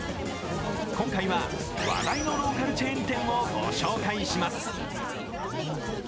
今回は話題のローカルチェーン店を御紹介します。